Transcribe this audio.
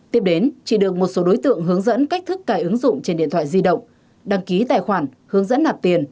tiếp đến chị được một số đối tượng hướng dẫn cách thức cài ứng dụng trên điện thoại di động đăng ký tài khoản hướng dẫn nạp tiền